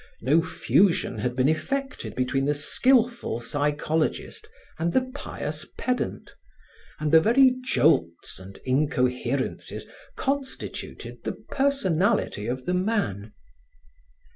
No fusion had been effected between the skilful psychologist and the pious pedant, and the very jolts and incoherencies constituted the personality of the man.